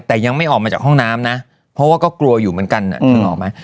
แต่ยังไม่ออกมาจากห้องน้ำนะเพราะว่าก็กลัวอยู่เหมือนกันนึกออกไหม